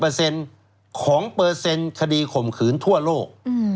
ของเปอร์เซ็นต์คดีข่มขืนทั่วโลก